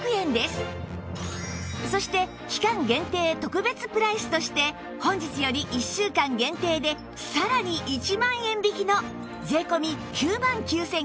そして期間限定特別プライスとして本日より１週間限定でさらに１万円引きの税込９万９９００円